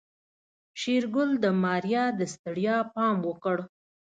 شېرګل د ماريا د ستړيا پام وکړ.